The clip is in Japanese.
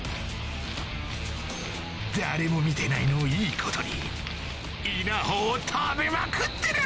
誰も見てないのをいいことに稲穂を食べまくってる！